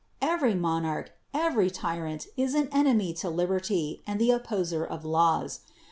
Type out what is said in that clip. Every monarch, every tyrant is an enemy to liberty, and the opposer of laws.